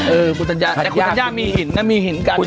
เออคุณทันยากมีหิน